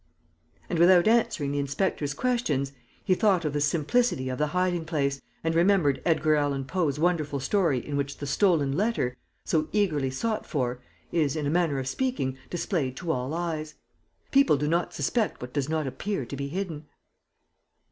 And, without answering the inspector's questions, he thought of the simplicity of the hiding place and remembered Edgar Allan Poe's wonderful story in which the stolen letter, so eagerly sought for, is, in a manner of speaking, displayed to all eyes. People do not suspect what does not appear to be hidden.